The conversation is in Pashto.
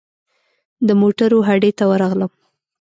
د موټرو هډې ته ورغلم.